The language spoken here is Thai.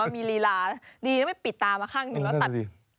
เเลลียลอดีต้องเปิดปิดตรามาข้างหนึ่งแล้วจะองตัด